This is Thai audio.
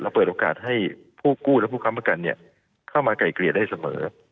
เปิดโอกาสให้ผู้กู้และผู้ค้ำประกันเข้ามาไก่เกลี่ยได้เสมอ